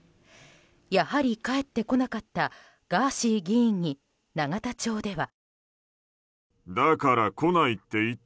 やはり帰ってこなかったガーシー議員に永田町では。